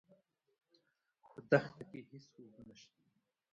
په دښته کې هېڅ اوبه نشته.